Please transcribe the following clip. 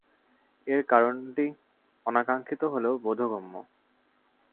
এর কারণটি অনাকাঙ্ক্ষিত হলেও বোধগম্য।